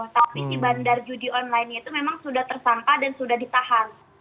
tapi di bandar judi online itu memang sudah tersangka dan sudah ditahan